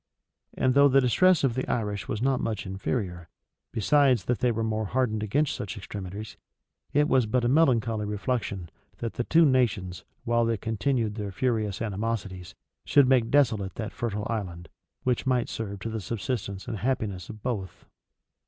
And though the distress of the Irish was not much inferior,[*] besides that they were more hardened against such extremities, it was but a melancholy reflection, that the two nations, while they continued their furious animosities, should make desolate that fertile island, which might serve to the subsistence and happiness, of both.